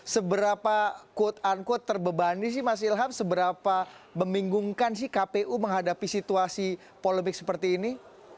seberapa quote unquote terbebani sih mas ilham seberapa membingungkan sih kpu menghadapi situasi polemik seperti ini